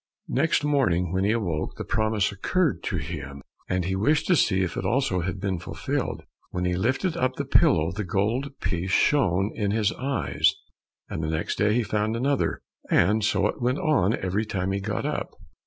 Next morning, when he awoke, the promise occurred to him, and he wished to see if it also had been fulfilled. When he lifted up the pillow, the gold piece shone in his eyes, and next day he found another, and so it went on, every time he got up.